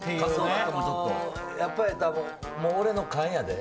やっぱり、俺の勘やで。